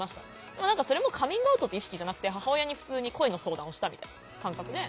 でもそれもカミングアウトって意識じゃなくて母親に普通に恋の相談をしたみたいな感覚で。